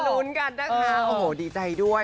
ลุ้นกันนะคะโอ้โหดีใจด้วย